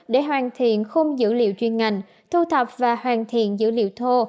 để hoàn thiện khung dữ liệu chuyên ngành thu thập và hoàn thiện dữ liệu thô